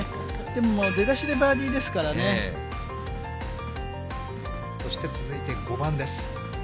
でも、出だしでバーディーですかそして続いて５番です。